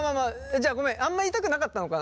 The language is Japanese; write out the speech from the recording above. じゃあごめんあんま言いたくなかったのかな。